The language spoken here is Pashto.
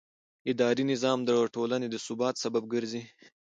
اداري نظام د ټولنې د ثبات سبب ګرځي.